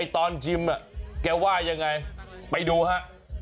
ตอนชิมแกว่ายังไงไปดูฮะ